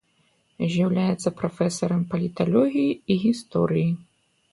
З'яўляецца прафесарам паліталогіі і гісторыі.